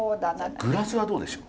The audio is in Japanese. グラスはどうでしょう？